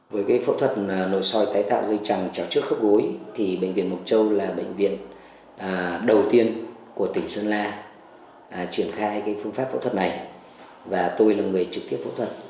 với phẫu thuật nội soi tái tạo dây chẳng trước khớp gối thì bệnh viện mộc châu là bệnh viện đầu tiên của tỉnh sơn la triển khai phương pháp phẫu thuật này và tôi là người trực tiếp phẫu thuật